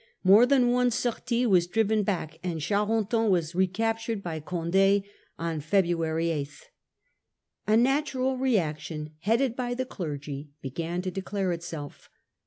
More than one sortie was driven back, and Charenton was recaptured by Condd on February 8. A Natural reaction, headed by the clergy, began to 1649. The Twelve Weeks? War. 43 declare itself.